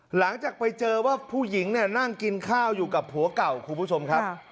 หลังจากไปเจอว่าผู้หญิงนั่งกินข้าวอยู่กับผัวก่อนกับผู้ผู้ชมครับ